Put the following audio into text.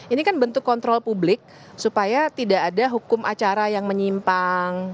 ini kan bentuk kontrol publik supaya tidak ada hukum acara yang menyimpang